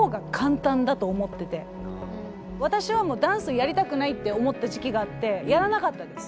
私はもうダンスをやりたくないって思った時期があってやらなかったです。